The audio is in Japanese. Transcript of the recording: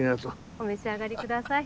お召し上がりください。